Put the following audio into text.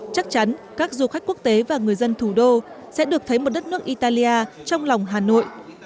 chắc chắn các du khách quốc tế và người dân thủ đô sẽ được thấy một đất nước italia trong lòng hà nội